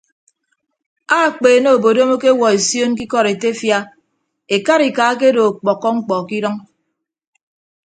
Akpeene obodom akewuọ esion ke ikọdetefia ekarika akedo ọkpọkkọ mkpọ ke idʌñ.